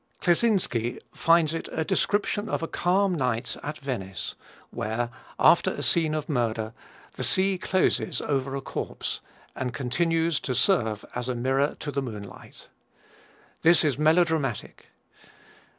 Kleczynski finds it "a description of a calm night at Venice, where, after a scene of murder, the sea closes over a corpse and continues to serve as a mirror to the moonlight." This is melodramatic.